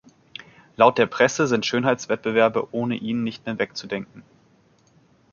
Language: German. Laut der Presse sind Schönheitswettbewerbe „ohne ihn nicht mehr wegzudenken“.